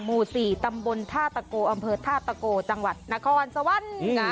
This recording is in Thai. หมู่สี่ตำบลถ้าสะโกอำเผิดถ้าสะโกจังหวัดนครสวรรค์